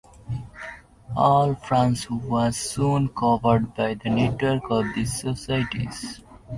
All France was soon covered by the network of these societies.